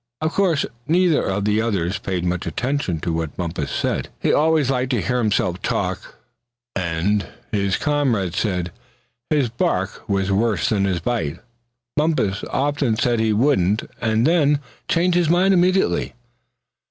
Of course neither of the others paid much attention to what Bumpus said. He always liked to hear himself talk; and as his comrades said, his "bark was worse than his bite." Bumpus often said he wouldn't, and changed his mind immediately.